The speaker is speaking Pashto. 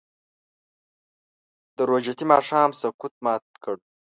د روژتي ماښام سکوت مات کړه